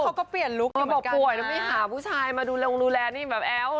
เขาก็เปลี่ยนลุคอยู่เหมือนกันมาบอกป่วยแล้วไม่หาผู้ชายมาดูแลนี่แบบแอ๋ว